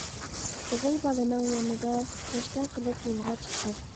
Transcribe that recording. «ئوغۇل بالىنىڭ يېمى» دە ناشتا قىلىپ يولغا چىقتۇق.